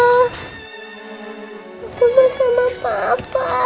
aku mau sama papa